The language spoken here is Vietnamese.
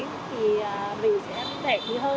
thì mình sẽ đẻ như hơn